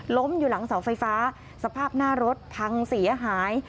อยู่หลังเสาไฟฟ้าสภาพหน้ารถพังเสียหาย